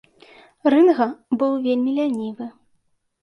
Рынга быў вельмі лянівы.